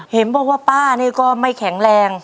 เห็นบอกว่าป้านี่ก็ไม่แข็งแรง